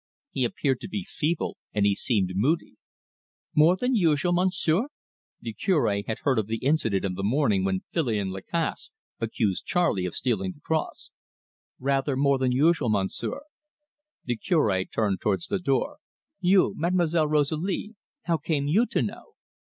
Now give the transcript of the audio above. "He appeared to be feeble, and he seemed moody." "More than usual, Monsieur?" The Cure had heard of the incident of the morning when Filion Lacasse accused Charley of stealing the cross. "Rather more than usual, Monsieur." The Cure turned towards the door. "You, Mademoiselle Rosalie, how came you to know?"